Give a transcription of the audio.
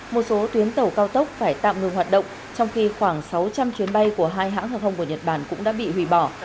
một số tuyến tàu cao tốc phải tạm ngừng hoạt động trong khi khoảng sáu trăm linh chuyến bay của hai hãng hàng không của nhật bản cũng đã bị hủy bỏ